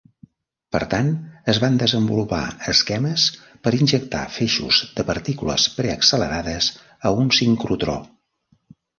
Per tant, es van desenvolupar esquemes per injectar feixos de partícules preaccelerades a un sincrotró.